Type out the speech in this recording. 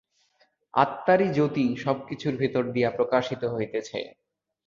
আত্মারই জ্যোতি সবকিছুর ভিতর দিয়া প্রকাশিত হইতেছে।